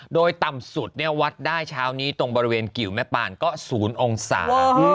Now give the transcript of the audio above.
โดยต่ำสุดวัดได้เช้านี้ตรงบริเวณกิวแม่ปานก็๐องศา